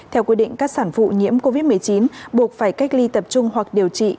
theo quy định các sản phụ nhiễm covid một mươi chín buộc phải cách ly tập trung hoặc điều trị